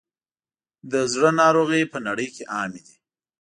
د زړه ناروغۍ په نړۍ کې عامې دي.